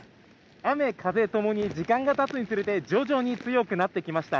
雨風ともに時間が経つにつれて徐々に強くなってきました。